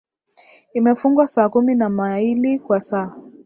imefungwa saa kumi ya maili kwa saa